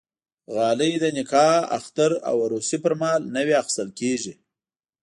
غالۍ د نکاح، اختر او عروسي پرمهال نوی اخیستل کېږي.